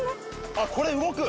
あっこれ動く！